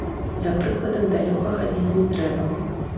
За прыкладам далёка хадзіць не трэба.